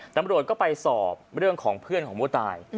ตำรวจก็ไปสอบเรื่องของเพื่อนของผู้ตาย